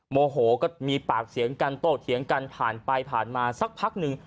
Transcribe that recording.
โมโหก็มีปากเสียงกันโต้เถียงกันผ่านไปผ่านมาสักพักหนึ่ง